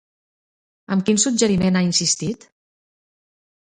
Amb quin suggeriment ha insistit?